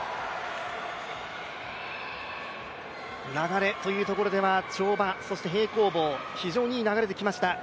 流れというところでは跳馬、そして平行棒、非常にいい流れできました。